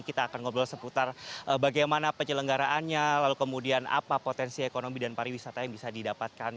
kita akan ngobrol seputar bagaimana penyelenggaraannya lalu kemudian apa potensi ekonomi dan pariwisata yang bisa didapatkan